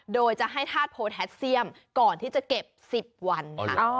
โดยจะให้ธาตุโพแทสเซียมก่อนที่จะเก็บ๑๐วันค่ะ